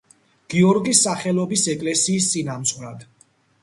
გიორგის სახელობის ეკლესიის წინამძღვრად.